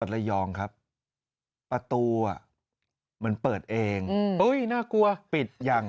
เปิดละยองครับประตูอ่ะมันเปิดเองอืมอุ้ยน่ากลัวปิดยัง